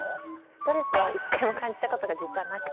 ストレスは一回も感じた事が実はなくて。